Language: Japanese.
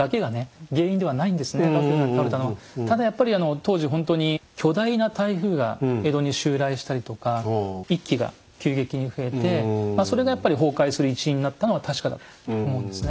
ただやっぱり当時ほんとに巨大な台風が江戸に襲来したりとか一揆が急激に増えてそれがやっぱり崩壊する一因になったのは確かだと思うんですね。